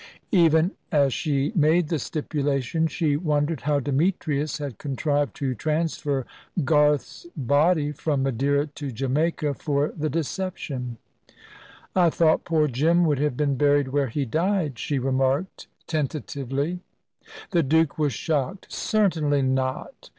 Even as she made the stipulation, she wondered how Demetrius had contrived to transfer Garth's body from Madeira to Jamaica for the deception. "I thought poor Jim would have been buried where he died," she remarked tentatively. The Duke was shocked. "Certainly not.